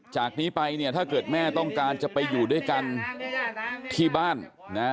จากนี้ไปเนี่ยถ้าเกิดแม่ต้องการจะไปอยู่ด้วยกันที่บ้านนะ